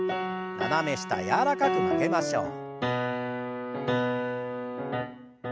斜め下柔らかく曲げましょう。